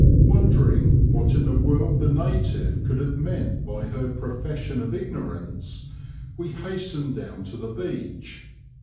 Wondering what in the world the native could have meant by her profession of ignorance, we hastened down to the beach.